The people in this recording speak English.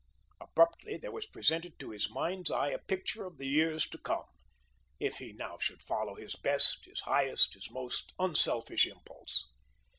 Abruptly there was presented to his mind's eye a picture of the years to come, if he now should follow his best, his highest, his most unselfish impulse.